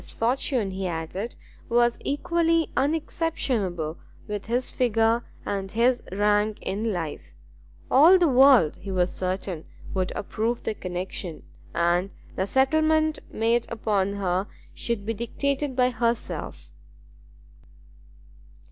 His fortune, he added, was equally unexceptionable with his figure and his rank in life; all the world, he was certain, would approve the connexion, and the settlement made upon her should be dictated by herself.